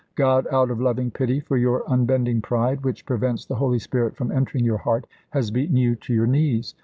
God, out of loving pity for your unbending pride, which prevents the Holy Spirit from entering your heart, has beaten you to your knees.